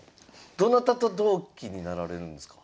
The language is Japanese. どなたと同期になられるんですか？